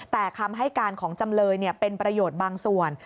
แต่คำให้การของจำเลยเป็นประโยชน์บางส่วน